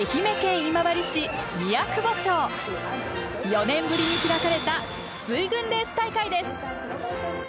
４年ぶりに開かれた水軍レース大会です。